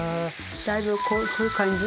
だいぶこういう感じ。